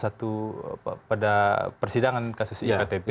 pada tiga puluh satu pada persidangan kasus iktp